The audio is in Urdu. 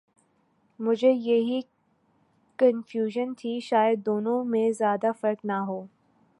مجھے یہی کنفیوژن تھی شاید دونوں میں زیادہ فرق نہ ہو۔۔